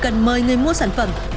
chỉ cần mời người mua sản phẩm